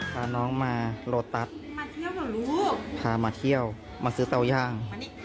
พาน้องมาโลตัสพามาเที่ยวมาซื้อเตาหญ้าง